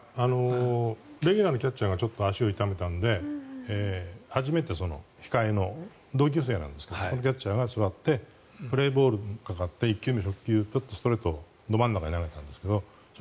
レギュラーのキャッチャーがちょっと足を痛めたので初めて控えの同級生なんですけどそのキャッチャーが座ってプレーボールがかかって１球目、初球、ストレートをど真ん中に投げたんですけどそ